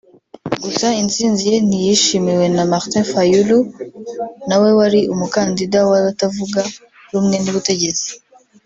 Gusa intsinzi ye ntiyishimiwe na Martin Fayulu nawe wari umukandida w’abatavuga rumwe n’ubutegetsi